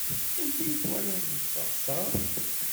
Anta i twalaḍ deg teɣseṛt?